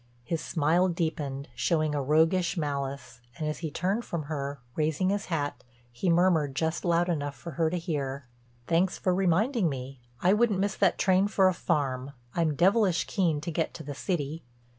His smile deepened, showed a roguish malice, and as he turned from her, raising his hat, he murmured just loud enough for her to hear: "Thanks for reminding me. I wouldn't miss that train for a farm—I'm devilish keen to get to the city."